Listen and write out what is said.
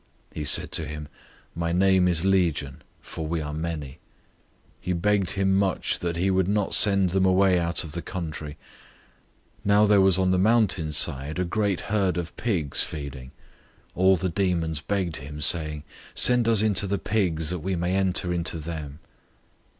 He said to him, "My name is Legion, for we are many." 005:010 He begged him much that he would not send them away out of the country. 005:011 Now there was on the mountainside a great herd of pigs feeding. 005:012 All the demons begged him, saying, "Send us into the pigs, that we may enter into them."